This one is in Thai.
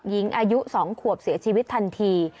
หญิงอายุ๒ขวบเสียชีวิตทันที